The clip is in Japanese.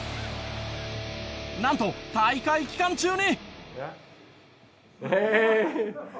なんと大会期間中に。